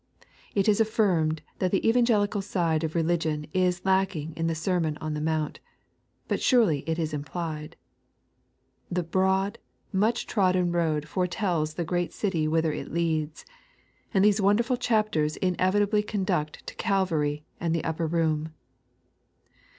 It is affirmed that the evangelical side of religion is lacking in the Sermon on the Mount, but surely it is implied. The broad, much trodden road foretells the great city whither it leads, and these wonderful chapters in evitably conduct to Calvary and the Upper Room.